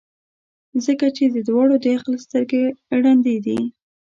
ځکه چي د دواړو د عقل سترګي ړندې دي.